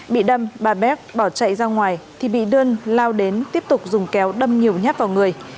bị đâm bà bac bỏ chạy ra ngoài thì bị đường lao đến tiếp tục dùng kéo đâm nhiều nháp vào người